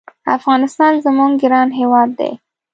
افغانستان زمونږ ګران هېواد دی